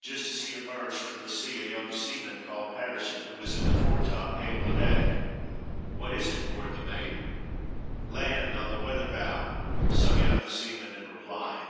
Just as he emerged from the sea a young seaman called Patterson, who was in the foretop, hailed the deck. "What is it?" roared the mate. "Land on the weather bow," sung out the seaman in reply.